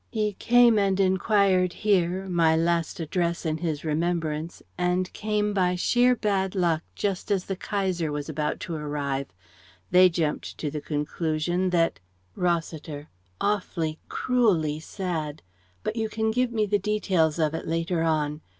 He came and enquired here my last address in his remembrance and came by sheer bad luck just as the Kaiser was about to arrive. They jumped to the conclusion that " Rossiter: "Awfully, cruelly sad. But you can give me the details of it later on.